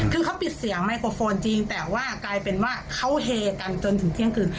คือเขาปิดเสียงไมโครโฟนจริงแต่ว่ากลายเป็นว่าเขาเฮกันจนถึงเที่ยงคืน